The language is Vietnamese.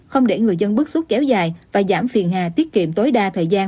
không để người dân bức xúc kéo dài và giảm phiền hà tiết kiệm tối đa thời gian